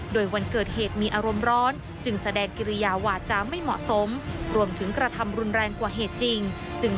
โดยวันเกิดเหตุมีอารมณ์ร้อนจึงแสดงกิริยาวาจาไม่เหมาะสมรวมถึงกระทำรุนแรงกว่าเหตุจริง